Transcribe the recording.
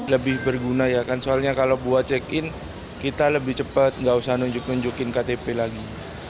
lebih berguna ya kan soalnya kalau buat check in kita lebih cepat nggak usah nunjuk nunjukin ktp lagi